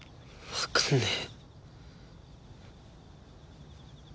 わかんねえ。